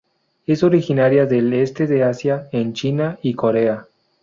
Es originaria del Este de Asia en China y Corea.